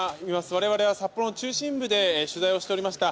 我々は札幌の中心部で取材をしておりました。